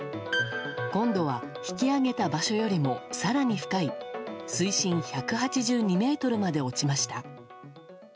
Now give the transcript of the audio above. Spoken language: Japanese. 今度は引き揚げた場所よりも更に深い水深１８２ｍまで落ちました。